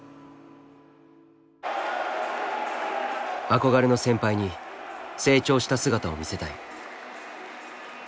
「憧れの先輩に成長した姿を見せたい」。